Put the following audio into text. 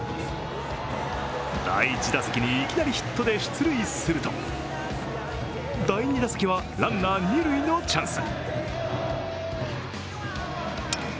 第１打席にいきなりヒットで出塁すると第２打席はランナー、二塁のチャンス。